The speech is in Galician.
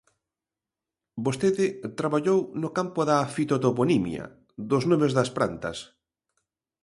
Vostede traballou no campo da fitotoponimia, dos nomes das plantas.